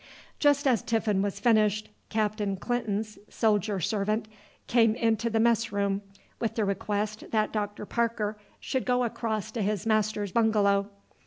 Just as tiffin was finished, Captain Clinton's soldier servant came into the mess room with the request that Dr. Parker should go across to his master's bungalow.